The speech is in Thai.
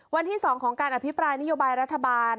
วันที่๒ของการอภิปรายนโยบายรัฐบาล